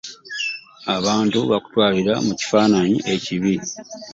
Abantu bakutwalira mu kifaananyi ekibi.